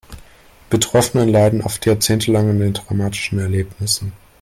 Die Betroffenen leiden oft jahrzehntelang an den traumatischen Erlebnissen.